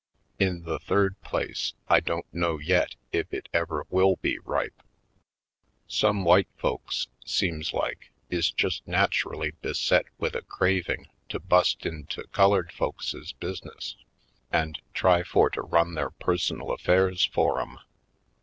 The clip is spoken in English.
In the third place, I don't know yet if it ever will be ripe. Some white folks, seems like, is just nat urally beset with a craving to bust into Dark Secrets 115 colored folkses' business and try for to run their personal affairs for 'em.